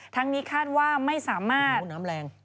นี้คาดว่าไม่สามารถน้ำแรง